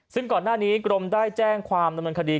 ซึ่งก่อนหน้านี้กรมได้แจ้งความดำเนินคดี